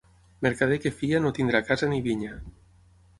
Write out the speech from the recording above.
Mercader que fia no tindrà casa ni vinya.